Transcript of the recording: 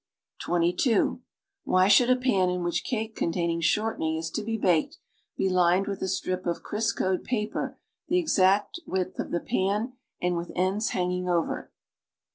(22) Why should a pan in which cake containing shortening is to be baked he lined with a strip of Criscoed paper the exact width of the pan and with ends hanging o\'er.